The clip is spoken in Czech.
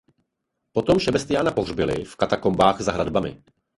Potom Šebestiána pohřbili v katakombách za hradbami.